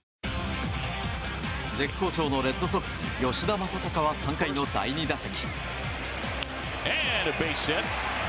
絶好調のレッドソックス吉田正尚は３回の第２打席。